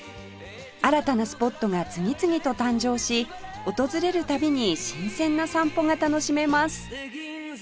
新たなスポットが次々と誕生し訪れる度に新鮮な散歩が楽しめます